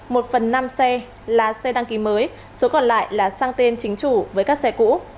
một phần năm xe là xe đăng ký mới số còn lại là sang tên chính chủ với các xe cũ